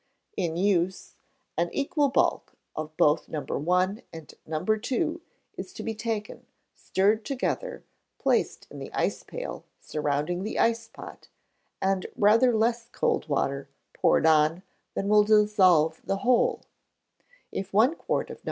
In use, an equal bulk of both No. 1 and No. 2 is to be taken, stirred together, placed in the ice pail, surrounding the ice pot, and rather less cold water poured on than will dissolve the whole; if one quart of No.